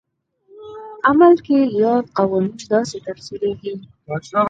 په عمل کې یاد قوانین داسې تفسیرېږي.